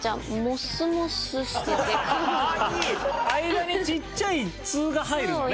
間にちっちゃい「つ」が入るのね。